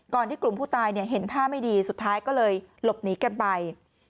ที่กลุ่มผู้ตายเห็นท่าไม่ดีสุดท้ายก็เลยหลบหนีกันไป